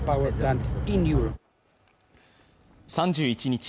３１日